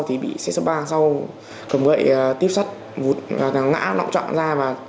thì bị xếp ba sau cầm gậy tiếp sát ngã lọng trọng ra